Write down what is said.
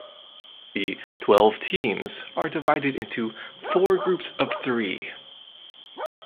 The twelve teams are divided into four groups of three.